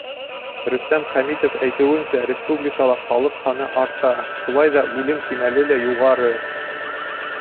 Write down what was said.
Рөстәм Хәмитов әйтеүенсә, республикала халыҡ һаны арта, шулай ҙа үлем кимәле лә юғары.